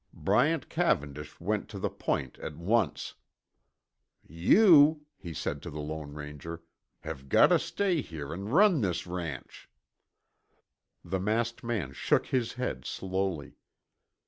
Bryant Cavendish went to the point at once. "You," he said to the Lone Ranger, "have gotta stay here an' run this ranch." The masked man shook his head slowly.